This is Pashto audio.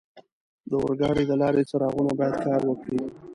د اورګاډي د لارې څراغونه باید کار وکړي.